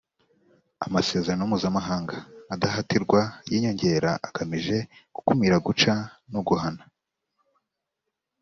amasezerano mpuzamahanga adahatirwa y inyongera agamije gukumira guca no guhana